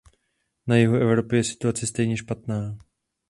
Na jihu Evropy je situace stejně špatná.